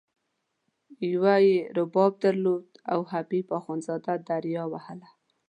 یوه یې رباب درلود او حبیب اخندزاده دریا وهله.